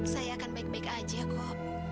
saya akan baik baik saja kop